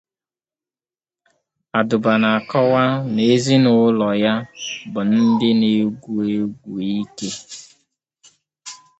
Adụba na akọwa na ezi na ụlo ya bụ ndi na egwu egwu ike.